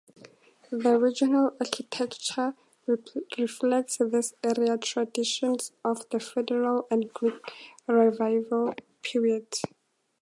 The regional architecture reflects these area traditions of the Federal and Greek Revival periods.